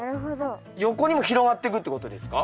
横にも広がってくってことですか？